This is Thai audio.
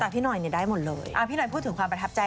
พี่หน่อยพูดถึงความประทับใจ